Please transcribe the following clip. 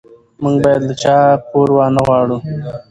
موږ باید له چا پور ونه غواړو.